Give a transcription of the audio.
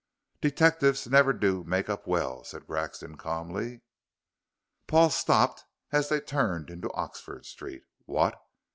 "Detectives never do make up well," said Grexon, calmly. Paul stopped as they turned into Oxford Street. "What?